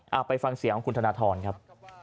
เอาไปฟังเสียงของคุณธนทรครับ